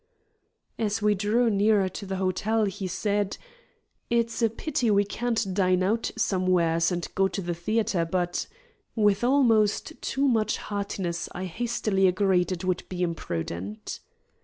As we drew nearer to the hotel, he said: "It's a pity we can't dine out somewheres and go to the theatre, but you know?" With almost too much heartiness I hastily agreed it would be imprudent.